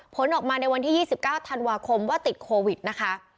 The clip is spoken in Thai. ผลออกมาในวันที่๒๙ธันวาคมว่าติดโควิดนะคะ